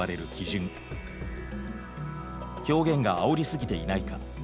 「表現があおりすぎていないか」